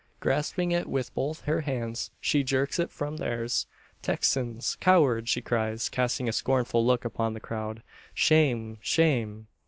Grasping it with both her hands, she jerks it from theirs. "Texans! cowards!" she cries, casting a scornful look upon the crowd. "Shame! shame!"